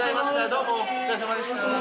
どうもお疲れさまでした。